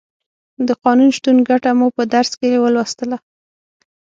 د قانون شتون ګټه مو په درس کې ولوستله.